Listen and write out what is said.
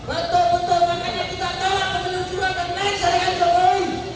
betul betul makanya kita telah menelusurkan menjahatkan jokowi